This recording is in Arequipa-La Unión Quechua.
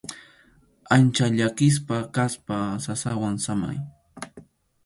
Ancha llakisqa kaspa sasawan samay.